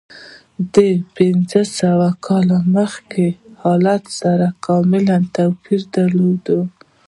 د پنځه سوه کاله مخکې حالت سره کاملا توپیر درلود.